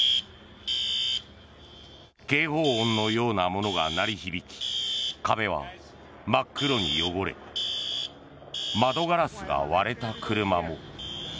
警報音のようなものが鳴り響き壁は真っ黒に汚れ窓ガラスが割れた車も。